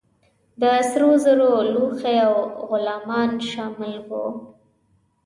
د سرو زرو لوښي او غلامان شامل وه.